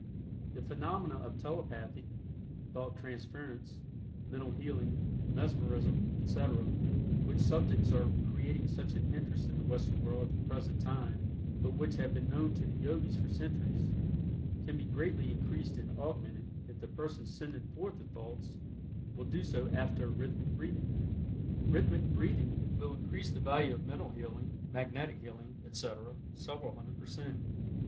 The phenomena of telepathy, thought transference, mental healing, mesmerism, etc., which subjects are creating such an interest in the Western world at the present time, but which have been known to the Yogis for centuries, can be greatly increased and augmented If the person sending forth the thoughts will do so after rhythmic breathing. Rhythmic breathing will increase the value of mental healing, magnetic healing, etc., several hundred per cent.